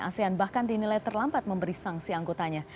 asean bahkan dinilai terlambat memberi sanksi anggotanya